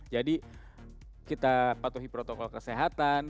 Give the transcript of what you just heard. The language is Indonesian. jadi kita patuhi protokol kesehatan